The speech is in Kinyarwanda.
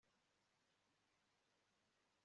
gira inama umurera ku indyo yuzuye